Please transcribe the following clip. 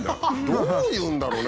どういうんだろうね？